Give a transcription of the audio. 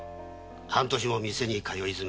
半年も店に通いづめ。